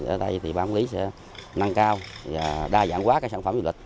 ở đây thì bán quốc lý sẽ năng cao và đa dạng quá các sản phẩm du lịch